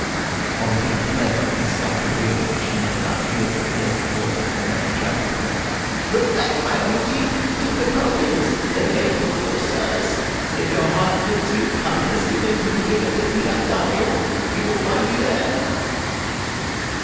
Fantine fled and stopped her ears that she might not hear the hoarse voice of the man shouting to her: "Reflect, my beauty! two napoleons; they may prove of service. If your heart bids you, come this evening to the inn of the Tillac d'Argent; you will find me there."